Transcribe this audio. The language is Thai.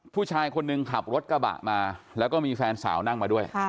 ผู้ชายคนหนึ่งขับรถกระบะมาแล้วก็มีแฟนสาวนั่งมาด้วย